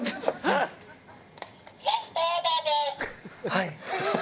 はい。